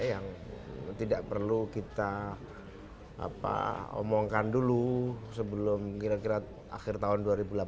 yang tidak perlu kita omongkan dulu sebelum kira kira akhir tahun dua ribu delapan belas